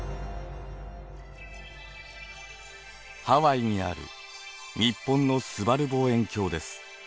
ハワイにある日本のすばる望遠鏡です。